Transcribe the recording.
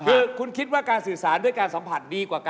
คือคุณคิดว่าการสื่อสารด้วยการสัมผัสดีกว่ากัน